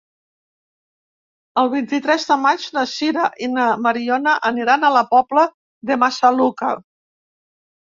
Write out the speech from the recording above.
El vint-i-tres de maig na Sira i na Mariona aniran a la Pobla de Massaluca.